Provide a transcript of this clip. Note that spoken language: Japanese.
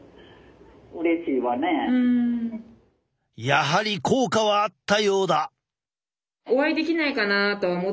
やはり効果はあったようだ。